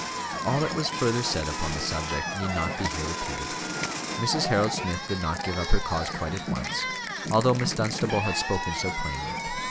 All that was further said upon the subject need not be here repeated. Mrs. Harold Smith did not give up her cause quite at once, although Miss Dunstable had spoken so plainly.